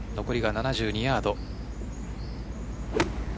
残りが７２ヤード。